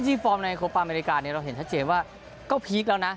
จริงฟอร์มในโคป้าอเมริกาเราเห็นชัดเจนว่าก็พีคแล้วนะ